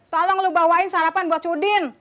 tolong lu bawain sarapan buat sudin